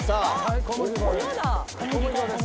小麦粉です。